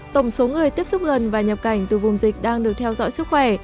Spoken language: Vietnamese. tổng số người tiếp xúc gần và nhập cảnh từ vùng dịch đang được theo dõi sức khỏe